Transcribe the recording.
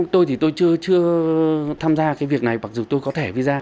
tôi thì tôi chưa tham gia cái việc này mặc dù tôi có thẻ visa